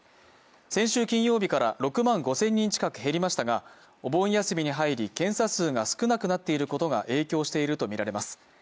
先週金曜日から６万５０００人近く減りましたが、お盆休みに入り、検査数が少なくなっていることが影響しているとみられます。